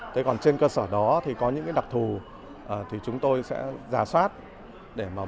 thế còn trên cơ sở đó thì có những đặc thù thì chúng tôi sẽ giả soát để mà báo cáo